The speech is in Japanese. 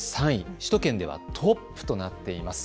首都圏ではトップとなっています。